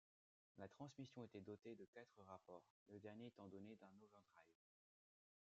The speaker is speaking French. La transmission était dotée de quatre rapports, le dernier étant doté d'un overdrive.